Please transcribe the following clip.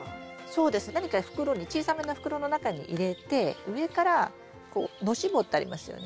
そうですね何か袋に小さめの袋の中に入れて上からこうのし棒ってありますよね。